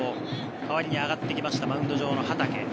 代わりに上がってきたマウンド上の畠。